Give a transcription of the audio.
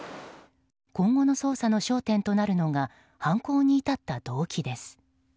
今後の捜査の焦点となるのが犯行に至った動機です。